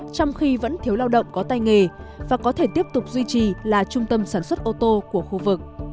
trong khi vẫn thiếu lao động có tay nghề và có thể tiếp tục duy trì là trung tâm sản xuất ô tô của khu vực